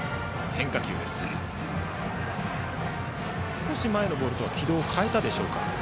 少し前のボールとは軌道を変えたでしょうか。